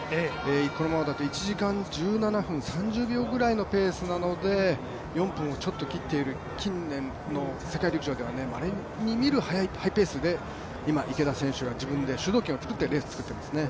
このままだと１時間１７分３０秒ぐらいのペースなので４分をちょっと切っている、近年の世界陸上ではまれに見るハイペースで今、池田選手が自分で主導権を作ってレースを作っていますね。